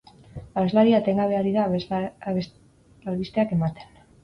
Abeslaria etengabe ari da albisteak ematen.